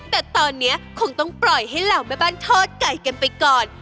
แต่ตอนนี้คงต้องปล่อยให้เหล่าแม่บ้านทอดไก่กันไปก่อน